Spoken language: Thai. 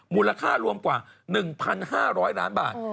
มูลค่ารวมกว่า๑๕๐๐ล้านบาท